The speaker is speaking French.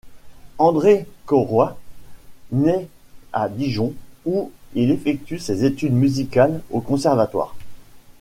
André Cœuroy, naît à Dijon où il effectue ses études musicales au Conservatoire.